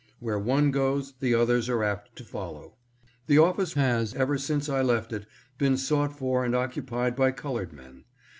Where one goes the others are apt to follow. The office has, ever since I left it, been sought for and occupied by colored men.